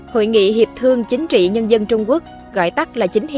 hội nghị hiệp thương chính trị nhân dân trung quốc